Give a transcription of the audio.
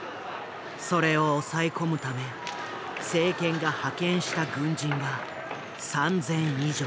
それを抑え込むため政権が派遣した軍人は３，０００以上。